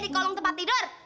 di kolong tempat tidur